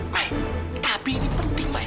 mai tapi ini penting mai